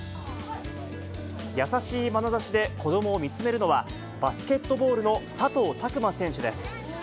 優しいまなざしで子どもを見つめるのは、バスケットボールの佐藤卓磨選手です。